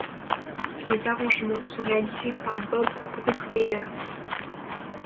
Les arrangements sont réalisés par Bob Brookmeyer.